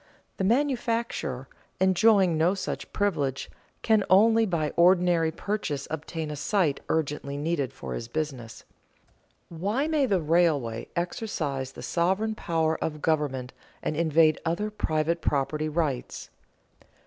The manufacturer, enjoying no such privilege, can only by ordinary purchase obtain a site urgently needed for his business. Why may the railway exercise the sovereign power of government and invade other private property rights?